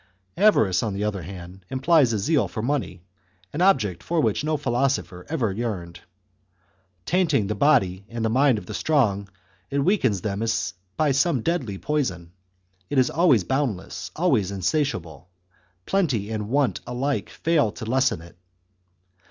Avarice, on the other hand, implies a zeal for money, an object for which no philosopher ever yearned. Tainting the body and mind of the strong, it weakens them as by some deadly poison ; it is always bound less, always insatiable ; plenty and want alike fail to lessen it.